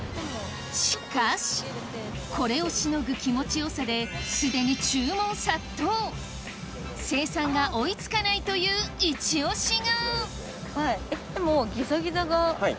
しかしこれをしのぐ気持ち良さですでに注文殺到生産が追い付かないというイチオシがえっでも。